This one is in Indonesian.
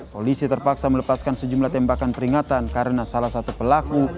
polisi terpaksa melepaskan sejumlah tembakan peringatan karena salah satu pelaku